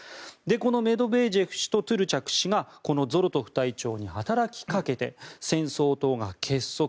このメドベージェフ氏とトゥルチャク氏がこのゾロトフ隊長に働きかけて戦争党が結束。